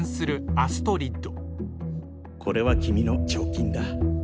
アストリッド！